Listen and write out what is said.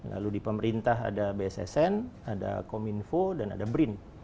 lalu di pemerintah ada bssn ada kominfo dan ada brin